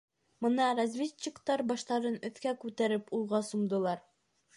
Бына разведчиктар баштарын өҫкә күтәреп уйға сумдылар.